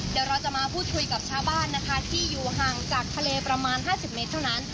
เดี๋ยวเราจะมาพูดคุยกับชาวบ้านนะคะที่อยู่ห่างจากทะเลประมาณ๕๐เมตรเท่านั้น